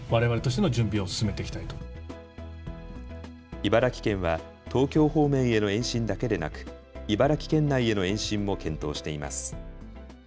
茨城県は東京方面への延伸だけでなく、茨城県内への延伸も検討しています。